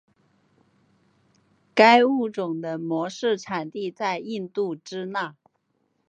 该物种的模式产地在印度支那。